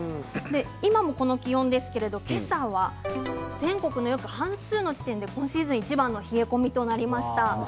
今、この気温ですけど今朝は全国の約半数の時点で今シーズンいちばんの冷え込みとなりました。